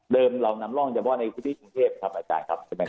เรานำร่องเฉพาะในพื้นที่กรุงเทพครับอาจารย์ครับ